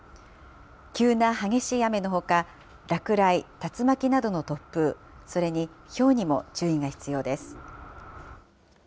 急な激しい雨のほか、落雷、竜巻などの突風、それにひょうにも注意が必要です。